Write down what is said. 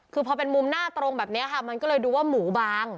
คือพอเป็นมุมหน้าตรงแบบนี้ค่ะมันก็เลยดูว่าหมูบาง